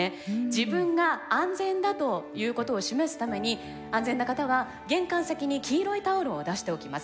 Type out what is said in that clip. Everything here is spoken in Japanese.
自分が安全だということを示すために安全な方は玄関先に黄色いタオルを出しておきます。